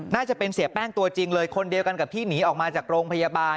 น่าจะเป็นเสียแป้งตัวจริงเลยคนเดียวกันกับที่หนีออกมาจากโรงพยาบาล